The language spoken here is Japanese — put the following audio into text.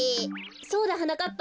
そうだはなかっぱ。